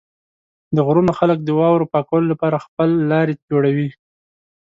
د غرونو خلک د واورو پاکولو لپاره خپل لارې جوړوي.